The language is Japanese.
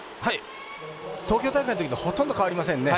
東京大会のときとほとんど変わりませんね。